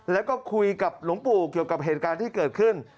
แล้วก็คุยกับหลวงปู่เกี่ยวกับเหตุการณ์ที่เกิดขึ้น